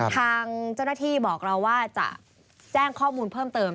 ทางเจ้าหน้าที่บอกเราว่าจะแจ้งข้อมูลเพิ่มเติม